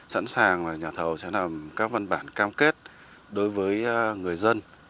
sẵn sàng nhà thầu sẽ làm các văn bản cam kết đối với người dân